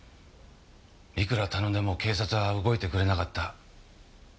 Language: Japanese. いくら頼んでも警察は動いてくれなかった。